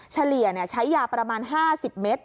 เฉลี่ยใช้ยาประมาณ๕๐เมตร